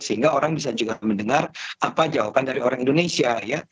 sehingga orang bisa juga mendengar apa jawaban dari orang indonesia ya